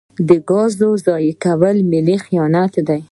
د ګازو ضایع کول ملي خیانت دی.